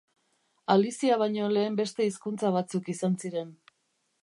Alizia baino lehen beste hizkuntza batzuk izan ziren.